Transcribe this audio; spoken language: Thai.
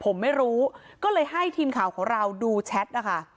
ผมไม่รู้ก็เลยให้ทีมข่าวของเราดูแชทนะคะ